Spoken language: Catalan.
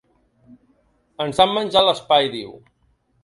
“Ens han menjat l’espai”, diu.